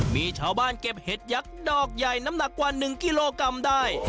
มีชาวบ้านเก็บเห็ดยักษ์ดอกใหญ่น้ำหนักกว่า๑กิโลกรัมได้